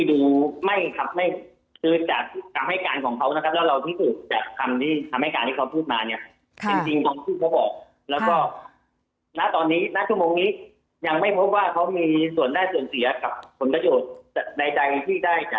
ยังไม่พบว่าเขามีส่วนหน้าส่วนเสียกับคนประโยชน์ในใจที่ได้จากการกระทำของผู้ต้องหาในคตินี้